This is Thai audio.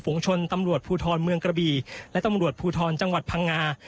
วงชนตำรวจภูทรเมืองกระบีและตำรวจภูทรจังหวัดพังงา